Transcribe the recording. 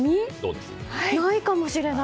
ないかもしれない。